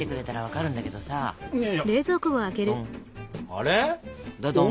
あれ？